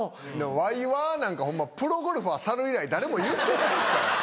「わいは」なんか『プロゴルファー猿』以来誰も言ってないですから。